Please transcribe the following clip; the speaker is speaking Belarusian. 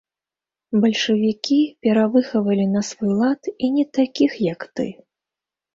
Бальшавікі перавыхавалі на свой лад і не такіх, як ты.